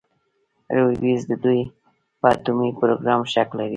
لویدیځ د دوی په اټومي پروګرام شک لري.